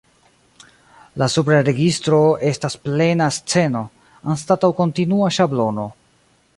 La supra registro estas plena sceno, anstataŭ kontinua ŝablono.